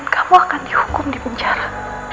kamu akan dihukum di penjara